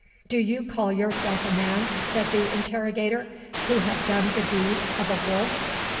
"Do you call yourself a man," said the interrogator, "who have done the deeds of a wolf?"